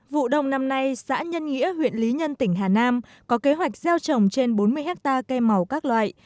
vụ đông năm nay xã nhân nghĩa huyện lý nhân tỉnh hà nam có kế hoạch gieo trồng trên bốn mươi hectare cây màu các loại